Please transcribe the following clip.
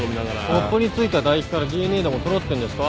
コップに付いた唾液からＤＮＡでも取ろうってんですか？